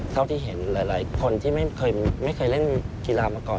เท่าที่เห็นหลายคนที่ไม่เคยเล่นกีฬามาก่อน